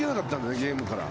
ゲームから。